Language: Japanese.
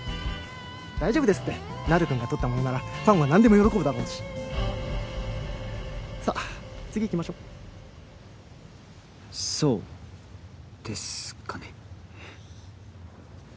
大丈夫ですってなるくんが撮ったものならファンは何でも喜ぶだろうしさあ次いきましょうそうですかね